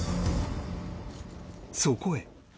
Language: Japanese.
そこへ